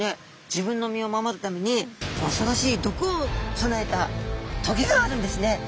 自分の身を守るためにおそろしい毒を備えたトゲがあるんですね。